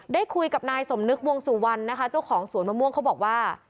ได้คุยกับนายสมนึกวงสุวรรณนะคะเจ้าของสวนมะม่วงเขาบอกว่า